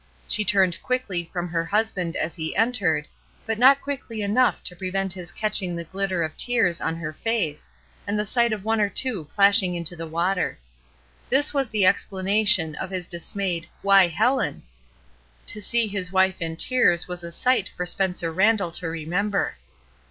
She turned quickly from her husband as he entered, but not quickly enough to pre vent his catching the gUtter of tears on her face, and the sight of one or two plashing into the water. This was the explanation of his dismayed "Why, Helen!'* To see his wife in tears was a sight for Spencer Randall to remember.